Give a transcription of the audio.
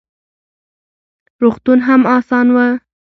روغتون هم اسان نه و: